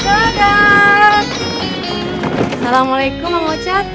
assalamualaikum mang wajar